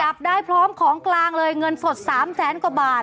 จับได้พร้อมของกลางเลยเงินสด๓แสนกว่าบาท